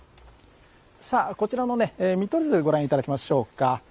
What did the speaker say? さあ、こちらの見取り図ご覧いただきましょうか。